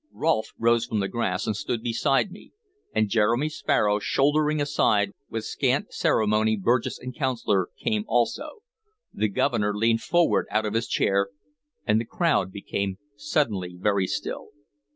Rolfe rose from the grass and stood beside me, and Jeremy Sparrow, shouldering aside with scant ceremony Burgess and Councilor, came also. The Governor leaned forward out of his chair, and the crowd became suddenly very still.